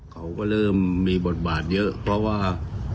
เขาก็เริ่มมีบทบาทเยอะเพราะว่า